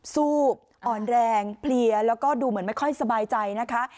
ซูบอ่อนแรงเพลียแล้วก็ดูเหมือนไม่ค่อยสบายใจนะคะ